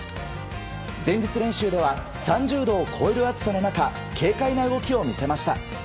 前日練習では３０度を超える暑さの中軽快な動きを見せました。